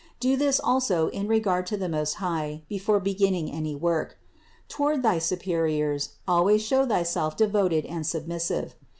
Do this also in regard to the Most High before beginning any work. Toward thy superiors always show thyself devoted and submissive.